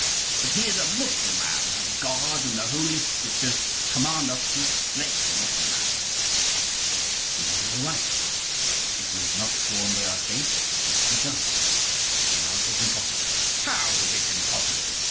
"But he is a Mussulman; and God and the Holy Scriptures command us to slay Mussulmans." "We have no right. If we had not sworn by our faith, it might be done; but now it is impossible." "How is it impossible?